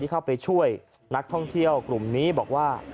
เข้าไปช่วยนักท่องเที่ยวกลุ่มนี้บอกว่า